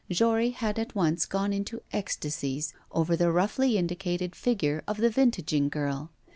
Jory had at once gone into ecstasies over the roughly indicated figure of the vintaging girl.